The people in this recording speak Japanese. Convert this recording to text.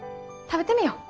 食べてみよう。